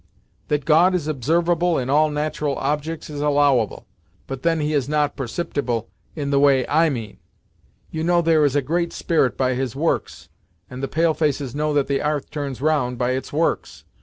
That God is observable in all nat'ral objects is allowable, but then he is not perceptible in the way I mean. You know there is a Great Spirit by his works, and the pale faces know that the 'arth turns round by its works.